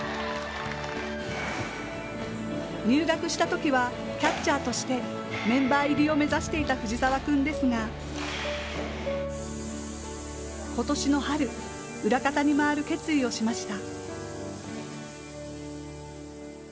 入学した時はキャッチャーとしてメンバー入りを目指していた藤澤君ですがことしの春、裏方に回る決意をしました。